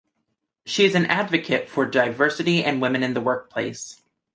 She is an advocate for diversity and women in the workplace.